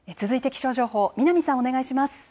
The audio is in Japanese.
続いて気象情報、南さん、お願いします。